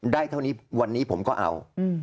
เท่านี้วันนี้ผมก็เอา